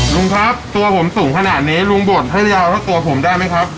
ลุงครับตัวผมสูงขนาดนี้ลุงบ่นให้ยาวเท่าตัวผมได้ไหมครับ